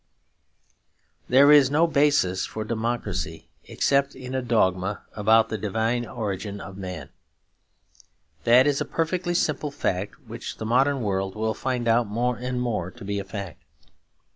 There is no basis for democracy except in a dogma about the divine origin of man. That is a perfectly simple fact which the modern world will find out more and more to be a fact.